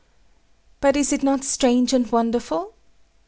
But is it not strange and wonderful?